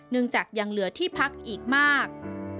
เนื่องจากยังเหลือที่พักอีกมาก